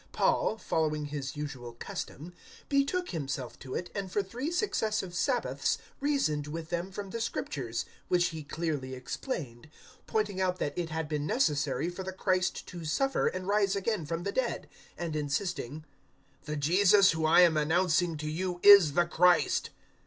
017:002 Paul following his usual custom betook himself to it, and for three successive Sabbaths reasoned with them from the Scriptures, 017:003 which he clearly explained, pointing out that it had been necessary for the Christ to suffer and rise again from the dead, and insisting, "The Jesus whom I am announcing to you is the Christ."